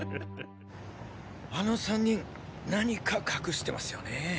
あの３人何か隠してますよね？